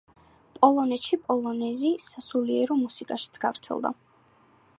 პოლონეთში პოლონეზი სასულიერო მუსიკაშიც გავრცელდა.